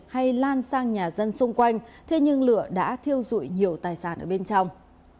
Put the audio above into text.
hay lan sang nhà dân xung quanh thế nhưng lửa đã thiêu dụi nhiều tài sản ở bên trong